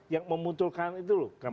yang memunculkan itu loh